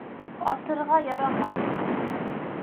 Асырға ярамай.